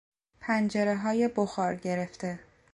پنجرههای بخار گرفته